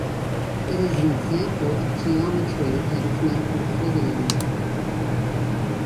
It is an example of a geometry that is not Euclidean.